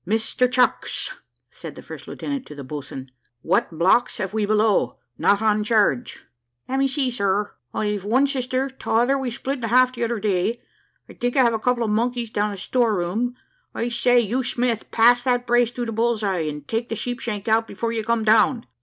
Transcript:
"Mr Chucks," said the first lieutenant to the boatswain, "what blocks have we below not on charge?" "Let me see, sir, I've one sister, t'other we split in half the other day, and I think I have a couple of monkeys down in the store room. I say, you Smith, pass that brace through the bull's eye, and take the sheepshank out before you come down."